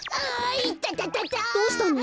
どうしたの？